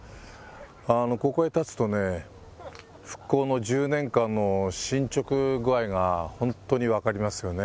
ここへ立つとね復興の１０年間の進捗具合がホントに分かりますよね